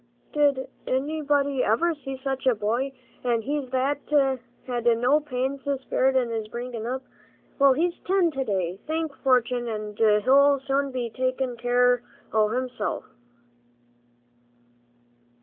"Did anybody ever see sech a boy, an' he that's had no pains spared 'n his bringin' up? Well, he's ten to day, thank fortune, an' he'll soon be a takin' care o' himself."